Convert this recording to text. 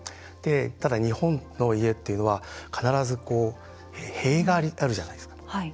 ただ、日本の家っていうのは必ず塀があるじゃないですか。